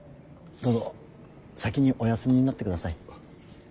どうぞ先にお休みになってください。